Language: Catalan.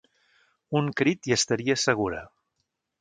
Un crit i estaria segura.